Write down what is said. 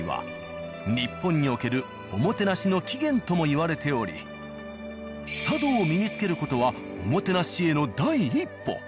日本におけるおもてなしの起源ともいわれており茶道を身に付ける事はおもてなしへの第一歩。